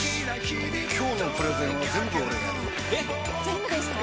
今日のプレゼンは全部俺がやる！